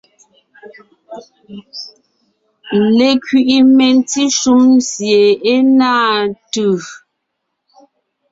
Lekẅiʼi mentí shúm sie é náa tʉ̀.